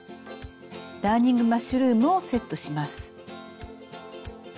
ダーニングマッシュルームをセットします。